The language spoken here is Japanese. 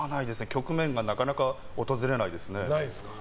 局面がなかなか訪れないですね。